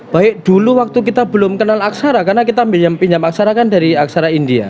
baik dulu waktu kita belum kenal aksara karena kita pinjam aksara kan dari aksara india